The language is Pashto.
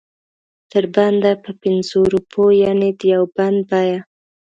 تر بنده په پنځو روپو یعنې د یو بند بیه.